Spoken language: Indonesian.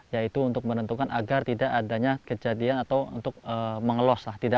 yaitu untuk menentukan agar tidak adanya kejadian atau untuk mengelos